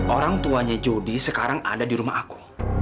orang tuanya jody sekarang ada di rumah aku